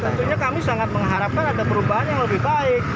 tentunya kami sangat mengharapkan ada perubahan yang lebih baik